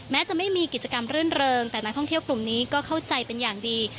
แม้จะไม่มีกิจกรรมรื่นเริงแต่นักท่องเที่ยวกลุ่มนี้ก็เข้าใจเป็นอย่างดี